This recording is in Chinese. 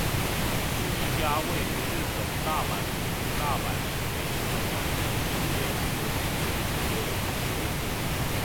是一家位于日本大阪府大阪市北区的男同性恋色情片制片公司。